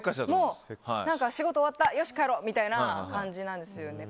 仕事が終わったよし帰ろうみたいな感じなんですよね。